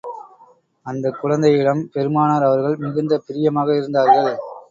அந்தக் குழந்தையிடம் பெருமானார் அவர்கள் மிகுந்த பிரியமாக இருந்தார்கள்.